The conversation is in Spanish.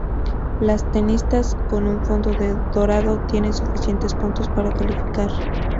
Las tenista con un fondo dorado tiene suficientes puntos para calificar.